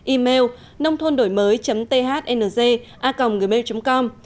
email nôngthonđổimới thng a nggmail com